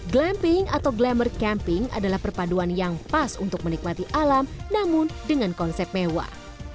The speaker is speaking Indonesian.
glamping atau glamour camping adalah perpaduan yang pas untuk menikmati alam namun dengan konsep mewah